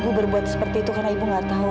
ibu berbuat seperti itu karena ibu nggak tahu